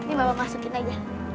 ini mbak mbak masukin aja